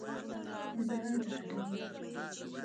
زه ډاډه یم